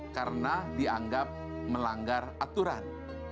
karena dianggap melanggar aturan